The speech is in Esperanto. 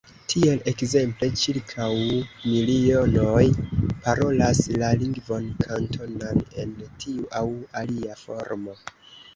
Tiel ekzemple ĉirkaŭ milionoj parolas la lingvon Kantonan en tiu aŭ alia formo.